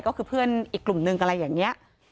ก็คือเพื่อนอีกกลุ่มนึงอะไรอย่างนี้